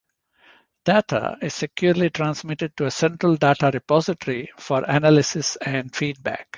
Data is securely transmitted to a central data repository for analysis and feedback.